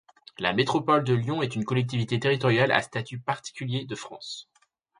La métropole de Lyon est une collectivité territoriale à statut particulier de France.